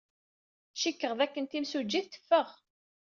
Cikkeɣ dakken timsujjit teffeɣ.